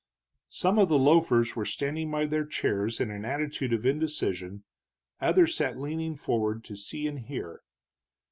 Some of the loafers were standing by their chairs in attitude of indecision, others sat leaning forward to see and hear.